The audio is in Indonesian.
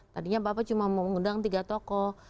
tadinya bapak cuma mau mengundang tiga tokoh